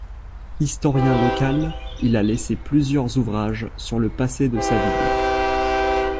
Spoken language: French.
Historien local, il a laissé plusieurs ouvrages sur le passé de sa ville.